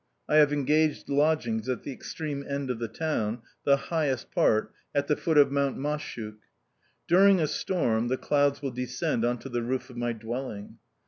I have engaged lodgings at the extreme end of the town, the highest part, at the foot of Mount Mashuk: during a storm the clouds will descend on to the roof of my dwelling.